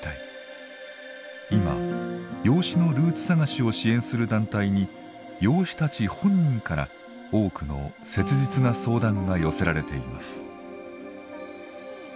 今養子のルーツ探しを支援する団体に養子たち本人から多くの切実な相談が寄せられています。